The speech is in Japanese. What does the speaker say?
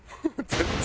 全然。